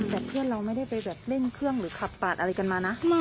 แต่เพื่อนเราไม่ได้ไปแบบเร่งเครื่องหรือขับปาดอะไรกันมานะ